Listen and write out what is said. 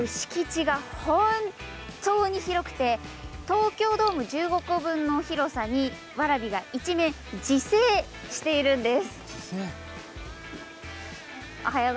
敷地が本当に広くて東京ドーム１５個分の広さにわらびが一面に自生しているんです。